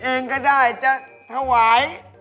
อันนี้จะเบอร์๑๐๐๐๐เนี่ย